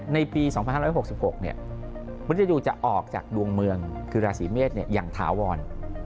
ในปี๒๖๖๖เนี่ยมฤตยูจะออกจากดวงเมืองคือราศีเมศเนี่ยอย่างถาวร